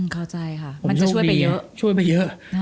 มันจะช่วยไปเยอะ